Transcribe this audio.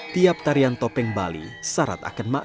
tiap tarian topeng bali syarat akan makna